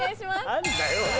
何だよ。